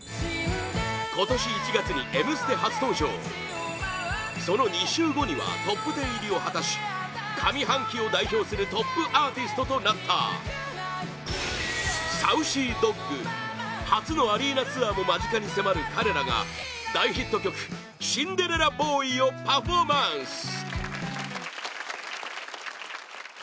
今年１月に「Ｍステ」初登場その２週後にはトップ１０入りを果たし上半期を代表するトップアーティストとなったＳａｕｃｙＤｏｇ初のアリーナツアーも間近に迫る彼らが大ヒット曲「シンデレラボーイ」をパフォーマンス！